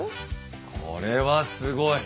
これはすごい。